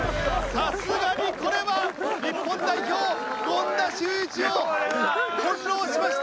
さすがにこれは日本代表権田修一を翻弄しました！